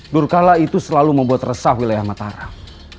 durkala itu selalu membuat resah wilayah mataram